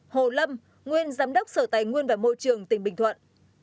hai hồ lâm nguyên giám đốc sở tài nguyên và môi trường tỉnh bình thuận